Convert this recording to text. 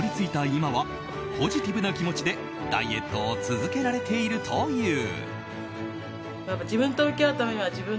今はポジティブな気持ちでダイエットを続けられているという。